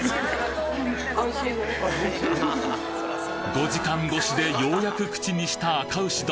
５時間越しでようやく口にしたあか牛丼